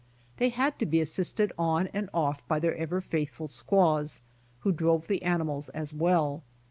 They had to be assisted on and off by their ever faithful squaws, who drove the animals as well.